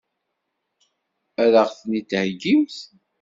Ad ɣ-ten-id-heggimt?